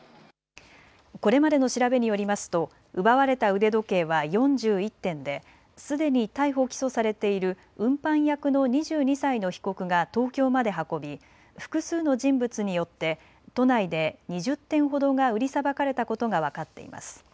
これまでの調べによりますと奪われた腕時計は４１点ですでに逮捕・起訴されている運搬役の２２歳の被告が東京まで運び複数の人物によって都内で２０点ほどが売りさばかれたことが分かっています。